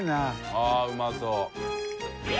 あっうまそう。